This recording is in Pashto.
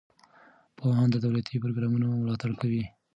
پوهان د دولتي پروګرامونو ملاتړ کوي.